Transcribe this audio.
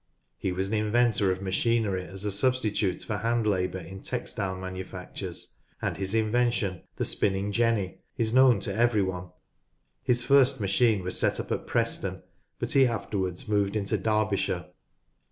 He was an inventor of machinery as a sub stitute for hand labour in textile manufactures, and his invention, the spinning jenny, is known to every one. His first machine was set up at Preston, but he afterwards moved into Derbyshire.